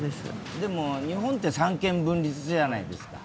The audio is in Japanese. でも日本って三権分立じゃないですか。